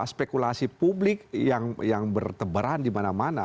spekulasi publik yang bertebaran di mana mana